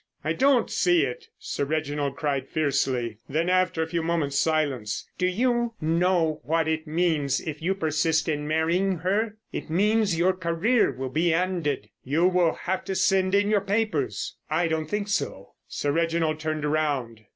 "I don't see it!" Sir Reginald cried fiercely. Then, after a few moments' silence, "Do you know what it means if you persist in marrying her? It means your career will be ended. You will have to send in your papers." "I don't think so." Sir Reginald turned round.